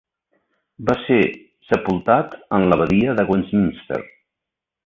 Va ser sepultat en l'Abadia de Westminster.